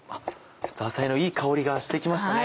ザーサイのいい香りがして来ましたね。